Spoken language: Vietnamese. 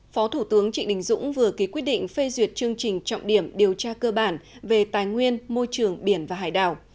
phó thủ tướng trịnh đình dũng vừa ký quyết định phê duyệt chương trình trọng điểm điều tra cơ bản về tài nguyên môi trường biển và hải đảo